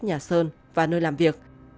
nhà sơn và nơi làm việc